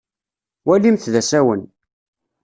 Walimt d asawen.